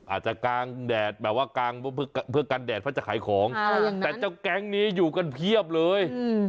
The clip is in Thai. อาจจะกางแดดเพื่อการแดดเพ้อจะขายของแต่เจ้าแก๊งนี้อยู่กันเพียบเลย